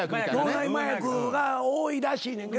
脳内麻薬が多いらしいねんけど。